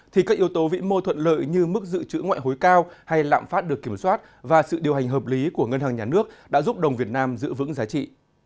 thì các yếu tố vĩ mô thuận lợi như mức dự trữ ngoại hối cao hay lạm phát được kiểm soát và sự điều hành hợp lý của ngân hàng nhà nước đã giúp đồng việt nam giữ vững giá trị